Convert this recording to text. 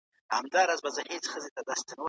هغه په جګړه کې ډېر پیاوړی و.